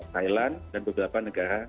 thailand dan beberapa negara